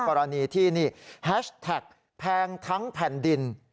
กรณีที่นี่แฮชแท็กแพงทั้งแผ่นดิน